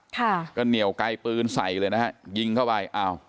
ค่ะก็เหนียวไกลปืนใส่เลยนะฮะยิงเข้าไปอ้าว